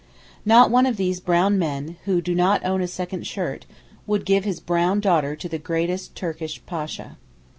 Not one of these brown men, who do not own a second shirt, would give his brown daughter to the greatest Turkish Pasha.